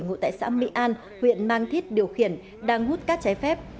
ngụ tại xã mỹ an huyện mang thít điều khiển đang hút cát trái phép